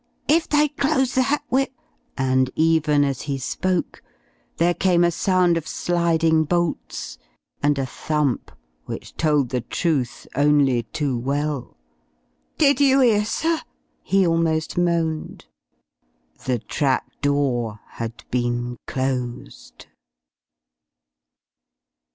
"If they close that, we're " And even as he spoke there came a sound of sliding bolts and a thump which told the truth only too well. "Did you 'ear, sir?" he almost moaned. The trap door had been closed.